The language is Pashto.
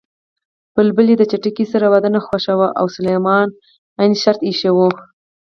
بلبلې د چتکي سره واده نه خوښاوه او سلیمان ع شرط کېښود